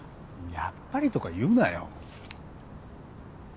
やっぱりとか言うなよ。